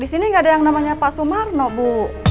disini gaada yang namanya pak sumarno bu